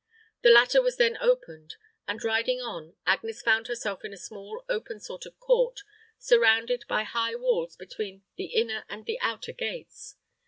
The latter was then opened, and riding on, Agnes found herself in a small open sort of court, surrounded by high walls, between the inner and the outer gates.